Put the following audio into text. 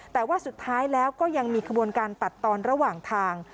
แต่ว่าสุดท้ายแล้วก็ยังมีขบวนการตัดตอนระหว่างทาง